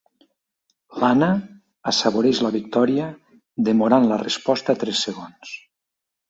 L'Anna assaboreix la victòria demorant la resposta tres segons.